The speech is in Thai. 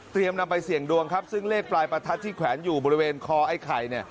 นำไปเสี่ยงดวงครับซึ่งเลขปลายประทัดที่แขวนอยู่บริเวณคอไอ้ไข่เนี่ย